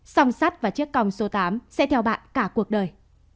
song sắt và chiếc còng số tám sẽ theo bạn cả cuộc đời